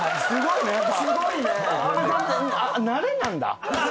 すごいね。